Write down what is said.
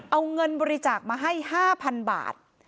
เอาเงินบริจาคมาให้๕๐๐๐บาท